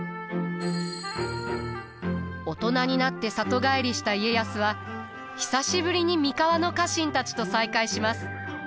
大人になって里帰りした家康は久しぶりに三河の家臣たちと再会します。